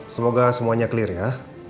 semoga semuanya clear ya